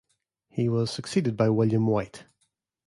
He was succeeded by William Whyte.